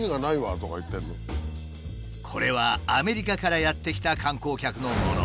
これはアメリカからやって来た観光客のもの。